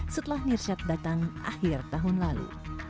setelah nirshad datang akhir tahun lalu